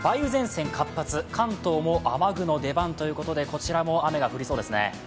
関東も雨具の出番ということでこちらも雨が降りそうですね。